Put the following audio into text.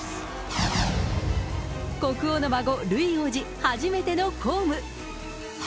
国王の孫、ルイ王子、初めての公務。